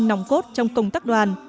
nòng cốt trong công tác đoàn